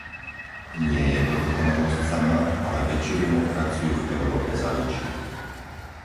Nie je to dokonalosť sama, ale väčšiu demokraciu v Európe zaručí.